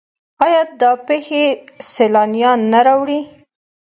آیا دا پیښې سیلانیان نه راوړي؟